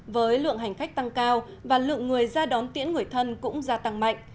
với lượng hành khách tăng cao và lượng người ra đón tiễn người thân cũng gia tăng mạnh